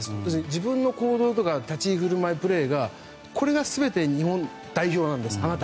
自分の立ち居振る舞い、プレーがこれが全て日本代表なんです。